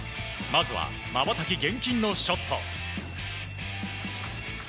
まずは、まばたき厳禁のショット。